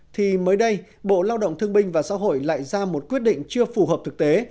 thì mới đây bộ lao động thương binh và xã hội lại ra một quyết định chưa phù hợp thực tế